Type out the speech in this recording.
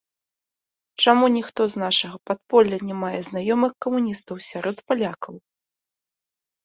Чаму ніхто з нашага падполля не мае знаёмых камуністаў сярод палякаў?